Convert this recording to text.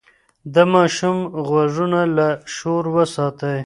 د ماشوم غوږونه له شور وساتئ.